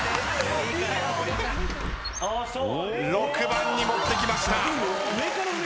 ６番に持ってきました。